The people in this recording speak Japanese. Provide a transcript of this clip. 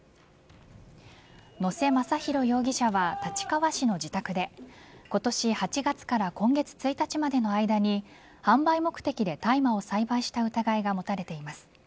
野瀬雅大容疑者は立川市の自宅で今年８月から今月１日までの間に販売目的で大麻を栽培した疑いが持たれています。